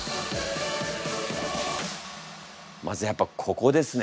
まずやっぱここですね。